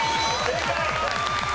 正解！